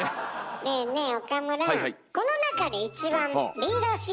ねえねえ岡村。